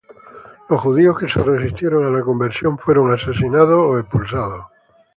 Los judíos que se resistieron a la conversión fueron asesinados o expulsados.